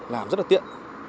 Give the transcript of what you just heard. làm rất là tiện